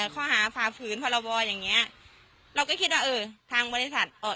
ค่อหาฝาพื้นภรรพบอสอย่างเงี้ยเราก็คิดว่าเออทางบริษัทออก